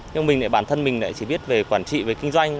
nhưng mình bản thân mình lại chỉ biết về quản trị về kinh doanh